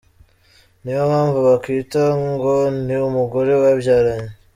niyo mpamvu bakwita ngo ni umugore babyaranye.